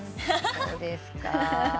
そうですか。